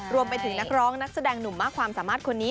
รวมไปถึงนักร้องนักแสดงหนุ่มมากความสามารถคนนี้